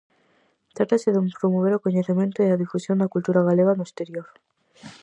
Trátase de promover o coñecemento e a difusión da cultura galega no exterior.